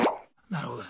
なるほど。